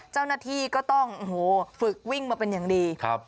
เจ้าหน้าที่ก็ต้องฝึกวิ่งมาเป็นอย่างดี